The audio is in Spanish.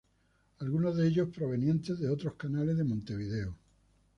Algunos de ellos provenientes de otros canales de Montevideo.